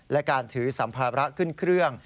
และการถือสัมภาระขึ้นเครื่อง